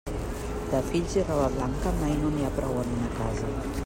De fills i roba blanca, mai no n'hi ha prou en una casa.